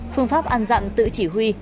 phương pháp ăn dặm tự chỉ huy